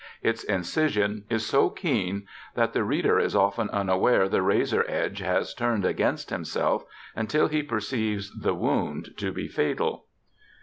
Its incision is so keen that the reader is often unaware the razor edge has turned against himself until he perceives the wound to be fatal.